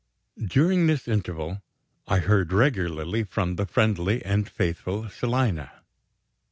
During this interval, I heard regularly from the friendly and faithful Selina.